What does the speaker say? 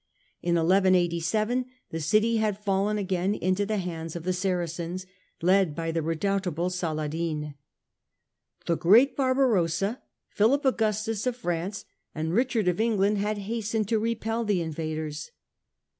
In 1187 the city had fallen again into the hands of the Saracens, led by the redoubtable Saladin. The great Barbarossa, Philip Augustus of France and Richard of England had hastened to repel the invaders.